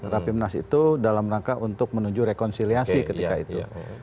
rapimnas itu dalam rangka untuk menuju rekonsiliasi ketika itu